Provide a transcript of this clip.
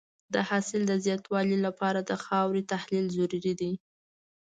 د حاصل د زیاتوالي لپاره د خاورې تحلیل ضروري دی.